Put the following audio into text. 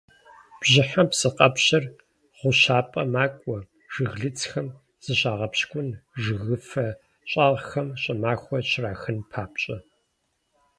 Бжьыхьэм псыкъэпщыр гъущапӀэ макӀуэ, жыглыцхэм зыщагъэпщкӀун, жыгыфэ щӀагъхэм щӀымахуэр щрахын папщӀэ.